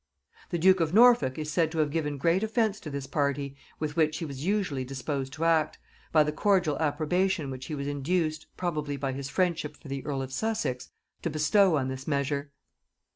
The duke of Norfolk is said to have given great offence to this party, with which he was usually disposed to act, by the cordial approbation which he was induced, probably by his friendship for the earl of Sussex, to bestow on this measure.